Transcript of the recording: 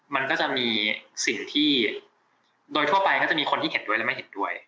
มันก็จะมีสิ่งที่โดยทั่วไปก็จะมีคนที่เห็นด้วยและไม่เห็นด้วย